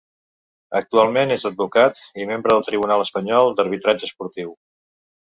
Actualment és advocat i membre del Tribunal Espanyol d'Arbitratge Esportiu.